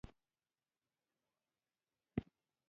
دا خلک جنګونه په تاسو کوي.